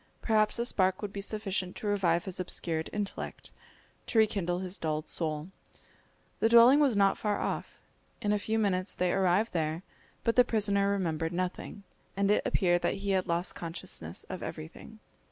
Perhaps a spark would be sufficient to revive his obscured intellect, to rekindle his dulled soul. The dwelling was not far off. In a few minutes they arrived there, but the prisoner remembered nothing, and it appeared that he had lost consciousness of everything.